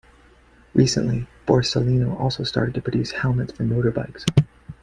Recently, Borsalino also started to produce helmets for motorbikes.